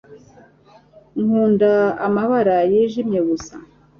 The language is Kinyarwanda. nkunda amabara yijimye gusa